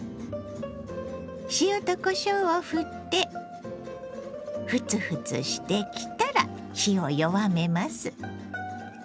塩とこしょうをふってフツフツしてきたら火を弱めます。